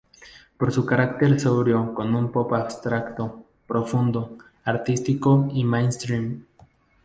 Por su carácter sobrio con un pop abstracto, profundo, artístico y mainstream.